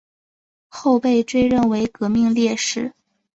后被追认为革命烈士。